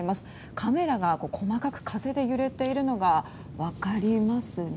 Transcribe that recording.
カメラが細かく風で揺れているのが分かりますね。